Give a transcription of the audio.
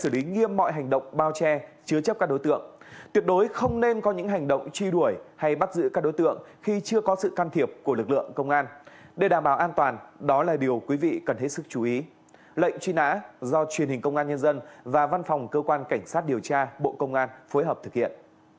lệnh truy nã do truyền hình công an nhân dân và văn phòng cơ quan cảnh sát điều tra bộ công an phối hợp thực hiện